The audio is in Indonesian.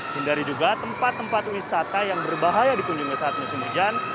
hindari juga tempat tempat wisata yang berbahaya dikunjungi saat musim hujan